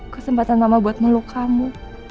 kesempatan mama buat meluk kamu